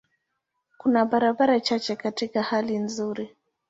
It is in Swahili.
Kuna barabara chache katika hali nzuri.